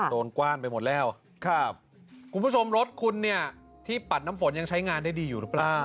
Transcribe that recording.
กว้านไปหมดแล้วครับคุณผู้ชมรถคุณเนี่ยที่ปัดน้ำฝนยังใช้งานได้ดีอยู่หรือเปล่า